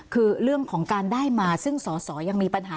คือเรื่องของการได้มาซึ่งสอสอยังมีปัญหา